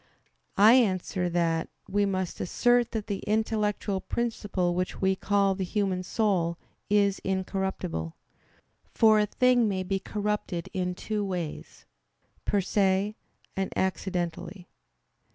I answer that, We must assert that the intellectual principle which we call the human soul is incorruptible. For a thing may be corrupted in two ways per se, and accidentally.